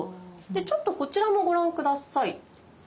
でちょっとこちらもご覧下さい。